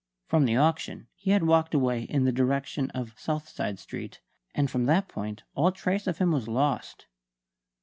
From the auction he had walked away in the direction of Southside Street; and from that point all trace of him was lost.